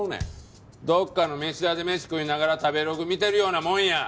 どこかの飯屋で飯食いながら食べログ見てるようなもんや！